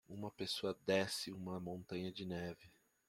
Uma pessoa desce uma montanha de neve.